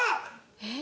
えっ？